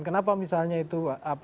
kenapa misalnya itu